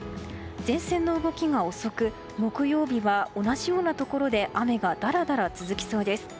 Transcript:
前線の動きが遅く木曜日は、同じようなところで雨がだらだら続きそうです。